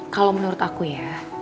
kalau menurut aku ya